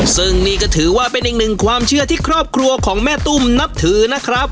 ซึ่งนี่ก็ถือว่าเป็นอีกหนึ่งความเชื่อที่ครอบครัวของแม่ตุ้มนับถือนะครับ